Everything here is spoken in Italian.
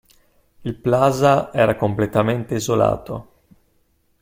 Il Plaza era completamente isolato.